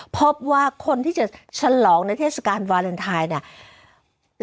พบว่าคนที่จะฉลองในเทศกาลวาเลนไทยเนี่ย